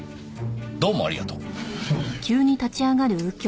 どうもありがとう。